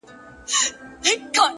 هره هڅه د سبا لپاره پانګونه ده,